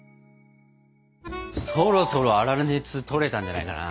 そろそろ粗熱とれたんじゃないかな。